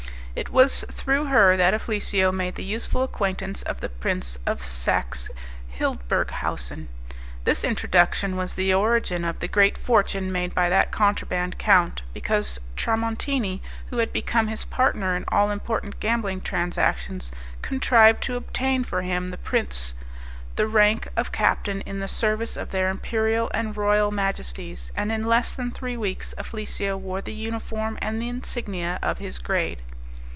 It was through her that Afflisio made the useful acquaintance of the Prince of Saxe Hildburghausen. This introduction was the origin of the great fortune made by that contrabrand count, because Tramontini, who had become his partner in all important gambling transactions, contrived to obtain for him from the prince the rank of captain in the service of their imperial and royal majesties, and in less than three weeks Afflisio wore the uniform and the insignia of his grade.